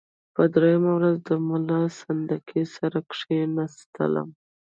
په دریمه ورځ له ملا سنډکي سره کښېنستلم.